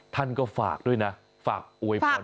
ท่านก็ฝากด้วยนะฝากอวยพร